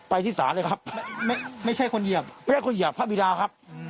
ที่ศาลเลยครับไม่ใช่คนเหยียบไม่ใช่คนเหยียบพระบิดาครับ